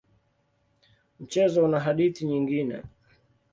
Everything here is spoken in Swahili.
Mchezo una hadithi nyingine.